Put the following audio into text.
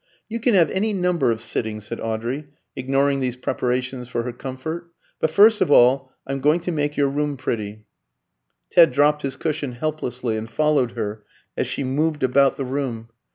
"You can have any number of sittings," said Audrey, ignoring these preparations for her comfort; "but first of all, I'm going to make your room pretty." Ted dropped his cushion helplessly and followed her as she moved about the room.